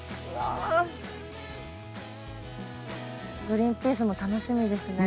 グリーンピースも楽しみですね。